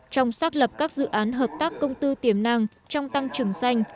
trong xác lập các dự án hợp tác công tư tiềm năng trong tăng trưởng xanh